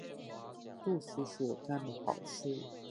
杜叔叔干的好事。